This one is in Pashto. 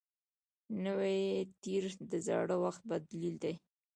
نوی تېر د زاړه وخت بدیل وي